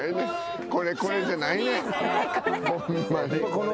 「これこれ」じゃないねんホンマに。